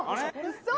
嘘！